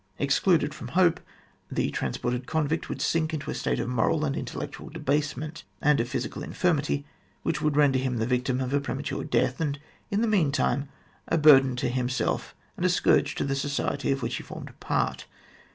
Excluded from hope, the transported convict would sink into a state of moral and intellectual debasement, and of physical infirmity, which would render him the victim of a premature death, and, in the meantime, a burden to himself and a scourge to the society of which he formed a part.